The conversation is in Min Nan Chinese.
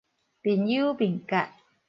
面憂面結